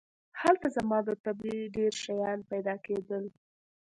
هلته زما د طبعې ډېر شیان پیدا کېدل.